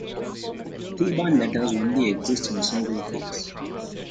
Theban letters only exist in a single case.